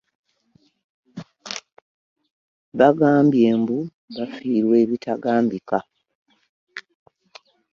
Bagambye mbu bafiirwa ebitagambika.